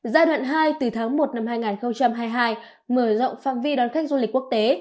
giai đoạn hai từ tháng một năm hai nghìn hai mươi hai mở rộng phạm vi đón khách du lịch quốc tế